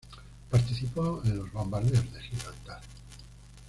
Participó en los bombardeos de Gibraltar.